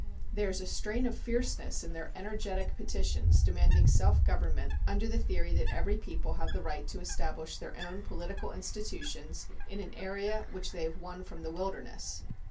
There is a strain of fierceness in their energetic petitions demanding self government under the theory that every people have the right to establish their own political institutions in an area which they have won from the wilderness.